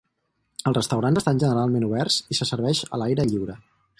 Els restaurants estan generalment oberts i se serveix a l'aire lliure.